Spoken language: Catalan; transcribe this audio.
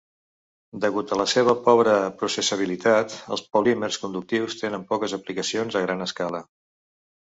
Degut a la seva pobre processabilitat, els polímers conductius tenen poques aplicacions a gran escala.